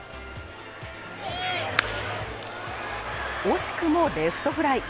惜しくもレフトフライ。